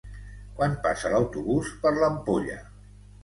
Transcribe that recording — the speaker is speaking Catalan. Quan passa l'autobús per l'Ampolla?